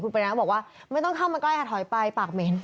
ปรินาบอกว่าไม่ต้องเข้ามาใกล้ค่ะถอยไปปากเหม็น